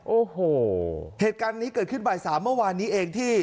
โอ้โหเหตุการณ์นี้เกิดขึ้นบ่ายสามเมื่อวานนี้เองที่